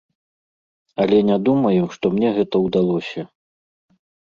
Але не думаю, што мне гэта ўдалося.